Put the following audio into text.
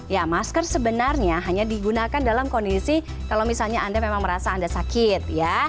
ya masker sebenarnya hanya digunakan dalam kondisi kalau misalnya anda memang merasa anda sakit ya